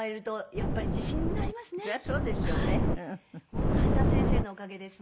本当橋田先生のおかげです。